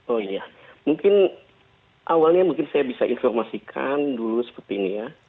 oh iya mungkin awalnya mungkin saya bisa informasikan dulu seperti ini ya